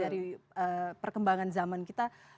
dari perkembangan zaman kita